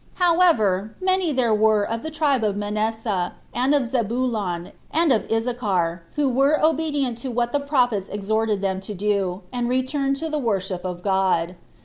However, many there were of the tribe of Manasseh, and of Zebulon, and of Issachar, who were obedient to what the prophets exhorted them to do, and returned to the worship of God.